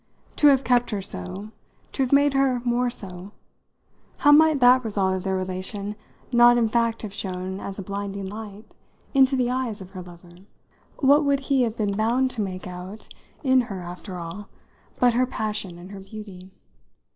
To have kept her so, to have made her more so how might that result of their relation not in fact have shone as a blinding light into the eyes of her lover? What would he have been bound to make out in her after all but her passion and her beauty?